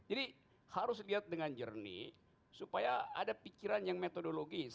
jadi harus dilihat dengan jernih supaya ada pikiran yang metodologis